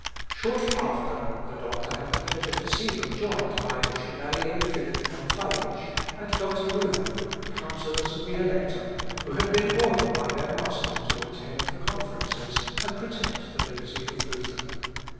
Shortly after the doctor had the pleasure to see them joined by the Chevalier Philip von Feilitsch, and Doctor Ruhel, counsellors of the Elector, who had been ordered by their master to attend the conferences, and protect the liberty of Luther.